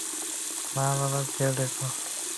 বাবা-মার খেয়াল রেখো।